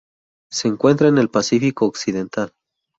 Se encuentra en el Pacífico occidental